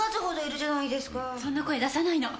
そんな声出さないの。